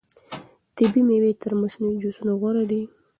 طبیعي مېوې تر مصنوعي جوسونو غوره دي.